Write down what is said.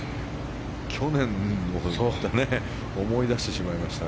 去年を思い出してしまいました。